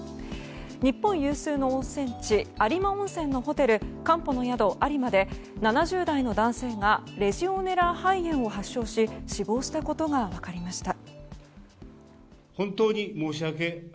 日本有数の温泉地有馬温泉のホテルかんぽの宿・有馬で７０代の男性がレジオネラ肺炎を発症し死亡したことが分かりました。